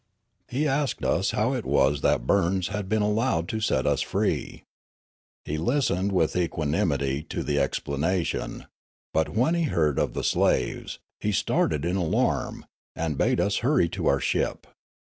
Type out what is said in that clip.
He asked us how it was that Burns had been allowed to set us free. He listened with equanimity to the explanation, but, when he heard of the slaves, he started in alarm, and bade us hurr}^ to our ship.